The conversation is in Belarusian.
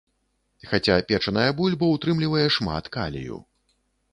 Хаця печаная бульба ўтрымлівае шмат калію.